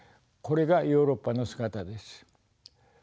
これがヨーロッパの姿です。